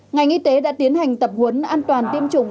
ngành y tế đã tiến hành tập huấn an toàn tiêm chủng